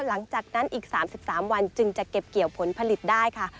หลังจากนั้นอีก๓๓วันจึงจะเก็บเกี่ยวผลผลิตได้ค่ะ